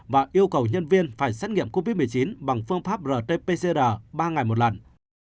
và yêu cầu nhân viên phải xét nghiệm covid một mươi chín bằng phương pháp rt pcr ba ngày một lần